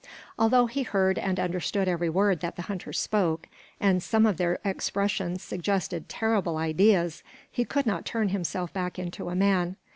Although he heard and understood every word that the hunters spoke and some of their expressions suggested terrible ideas he could not turn himself back into a man.